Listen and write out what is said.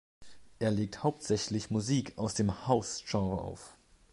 Er legt hauptsächlich Musik aus dem House-Genre auf.